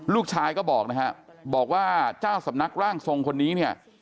ลูกชายก็บอกนะฮะบอกว่าเจ้าสำนักร่างทรงคนนี้เนี่ย